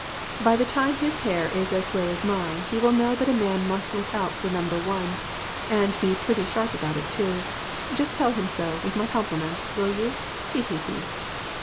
By the time his hair is as gray as mine, he will know that a man must look out for No. I, and be pretty sharp about it, too. Just tell him so, with my compliments, will you? He, he, he!"